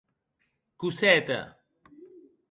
Cosette!